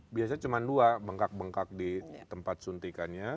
biasanya cuma dua bengkak bengkak di tempat suntikannya